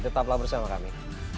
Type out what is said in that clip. tetaplah bersama kami